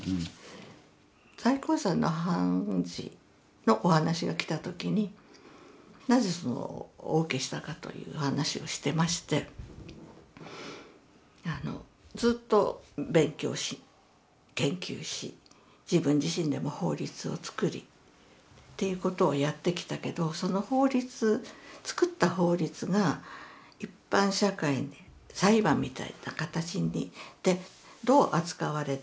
最高裁の判事のお話が来た時になぜお受けしたかという話をしてましてあのずっと勉強し研究し自分自身でも法律を作りっていうことをやってきたけどその法律というようなことを話として聞きました。